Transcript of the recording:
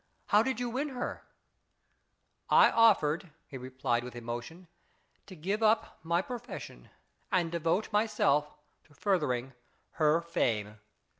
" How did you win her ?"" I offered," he replied, with emotion, " to give up my profession and devote myself to furthering her fame."